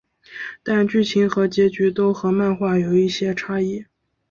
但剧情和结局都和漫画有一些差异。